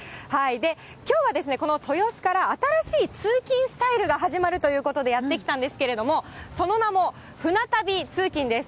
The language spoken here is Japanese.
きょうはこの豊洲から、新しい通勤スタイルが始まるということで、やって来たんですけれども、その名も、舟旅通勤です。